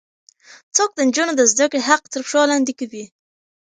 څوک د نجونو د زده کړې حق تر پښو لاندې کوي؟